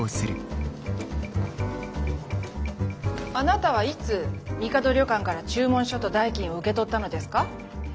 あなたはいつみかど旅館から注文書と代金を受け取ったのですか？